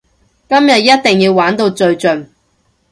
今日一定要玩到最盡！